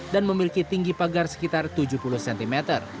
dan memiliki tinggi pagar sekitar tujuh puluh cm